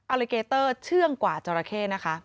ลิเกเตอร์เชื่องกว่าจราเข้นะคะ